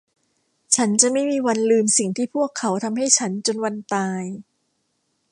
ฉันจะไม่มีวันลืมสิ่งที่พวกเขาทำให้ฉันจนวันตาย